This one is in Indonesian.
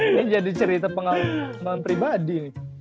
ini jadi cerita pengalaman pribadi nih